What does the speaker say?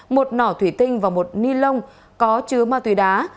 một nỏ thủy tinh và một ni lông có chứa ma túy đá